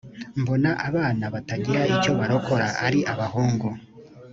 mbona abana batagira icyo barokora ari abahungu